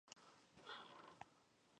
مړه ته د احسان هدیه وکړه